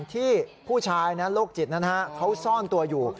ที่ผู้ชายโรคจิตนั้นเขาซ่อนตัวอยู่